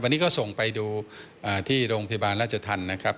วันนี้ก็ส่งไปดูที่โรงพยาบาลราชธรรมนะครับ